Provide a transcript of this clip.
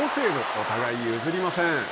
お互い譲りません。